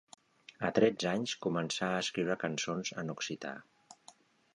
A tretze anys, començà a escriure cançons en occità.